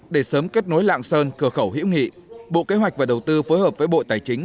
để sớm kết nối lạng sơn cửa khẩu hữu nghị bộ kế hoạch và đầu tư phối hợp với bộ tài chính